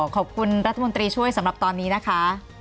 ขอบคุณรัฐมนตรีช่วยสำหรับตอนนี้นะคะ